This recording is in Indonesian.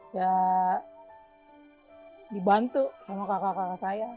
ya dibantu sama kakak kakak saya